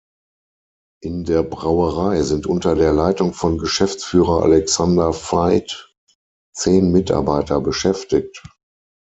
In der Brauerei sind unter der Leitung von Geschäftsführer Alexander Veit zehn Mitarbeiter beschäftigt.